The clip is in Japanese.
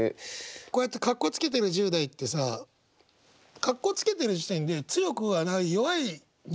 こうやってかっこつけてる１０代ってさかっこつけてる時点で強くはない弱い人間じゃん。